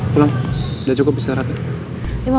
pulang udah cukup istirahatnya